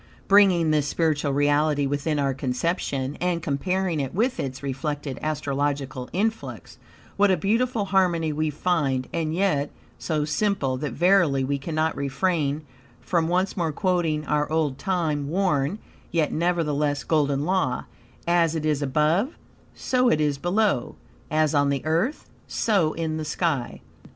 Bringing this spiritual reality within our conception, and comparing it with its reflected astrological influx, what a beautiful harmony we find, and yet so simple that verily we cannot refrain from once more quoting our old time, worn, yet, nevertheless, golden law: "AS IT IS ABOVE, SO IT IS BELOW; AS ON THE EARTH, SO IN THE SKY."